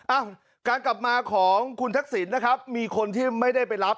อ้าวการกลับมาของคุณทักษิณนะครับมีคนที่ไม่ได้ไปรับ